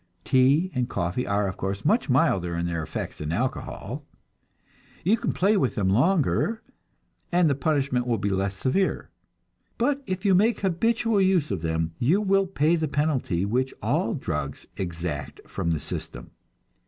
Tea and coffee are, of course, much milder in their effects than alcohol; you can play with them longer, and the punishment will be less severe. But if you make habitual use of them, you will pay the penalty which all drugs exact from the system.